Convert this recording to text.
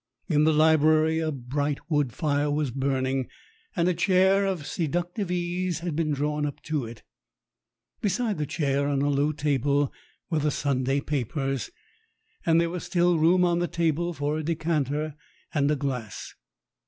In the library a bright wood fire was burning, and a chair of seduc tive ease had been drawn up to it. Beside the chair on a low table were the Sunday papers, and there was still room on the table for a decanter and a glass.